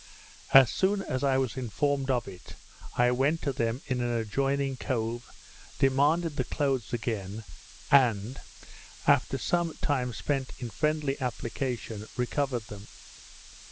As soon as I was informed of it, I went to them in an adjoining cove, demanded the clothes again, and, after some time spent in friendly application, recovered them.